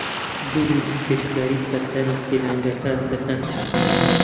دوو گرووپی گەشتیاری سەردانی سەیرانگەکە دەکەن